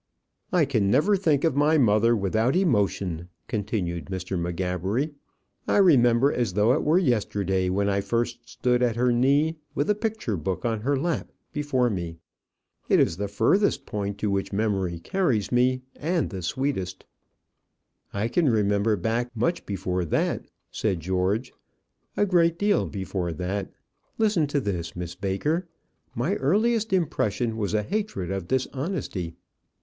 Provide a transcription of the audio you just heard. "I can never think of my mother without emotion," continued Mr. M'Gabbery. "I remember, as though it were yesterday, when I first stood at her knee, with a picture book on her lap before me. It is the furthest point to which memory carries me and the sweetest." "I can remember back much before that," said George; "a great deal before that. Listen to this, Miss Baker. My earliest impression was a hatred of dishonesty."